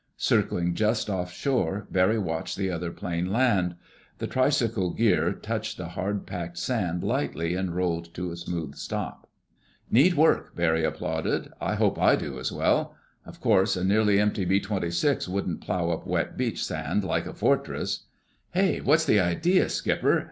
Circling just offshore, Barry watched the other plane land. The tricycle gear touched the hard packed sand lightly and rolled to a smooth stop. "Neat work!" Barry applauded. "I hope I do as well. Of course a nearly empty B 26 wouldn't plow up wet beach sand like a fortress...." "Hey! What's the idea, Skipper?"